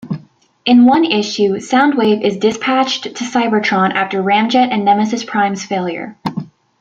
In one issue, Soundwave is dispatched to Cybertron after Ramjet and Nemesis Prime's failure.